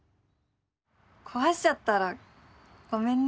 壊しちゃったらごめんね。